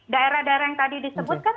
daerah daerah yang tadi disebutkan